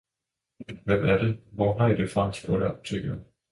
Hvem er det, og hvor har i fået det fra? spurgte apotekeren.